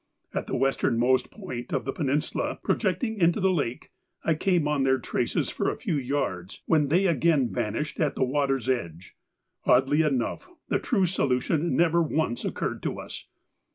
At the westernmost point of the peninsula projecting into the lake, I came on their traces for a few yards, when they again vanished at the water's edge. Oddly enough, the true solution never once occurred to us.